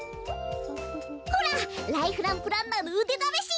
ほらライフランプランナーのうでだめし！